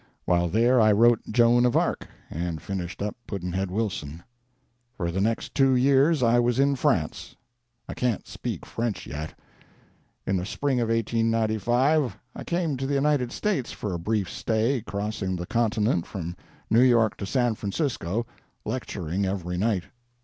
While there I wrote 'Joan of Arc' and finished up 'Pudd'nhead Wilson.' For the next two years I was in France. I can't speak French yet. In the spring of 1895 I came to the United States for a brief stay, crossing the continent from New York to San Francisco, lecturing every night.